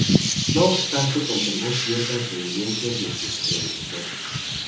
No obstante conservó ciertas reminiscencias de sus predecesores.